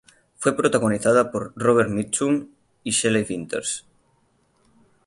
Fue protagonizada por Robert Mitchum y Shelley Winters.